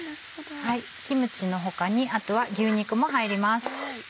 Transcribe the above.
キムチの他にあとは牛肉も入ります。